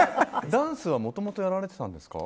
ダンスはもともとやられていたんですか？